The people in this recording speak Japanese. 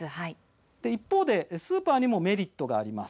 一方でスーパーにもメリットがあります。